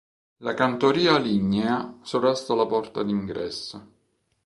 La cantoria lignea sovrasta la porta di ingresso.